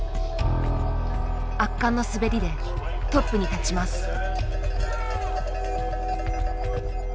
圧巻の滑りでトップに立ちます。